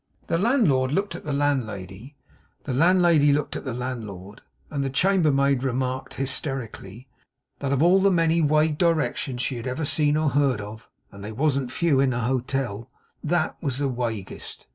The landlord looked at the landlady; the landlady looked at the landlord; and the chambermaid remarked, hysterically, 'that of all the many wague directions she had ever seen or heerd of (and they wasn't few in an hotel), THAT was the waguest.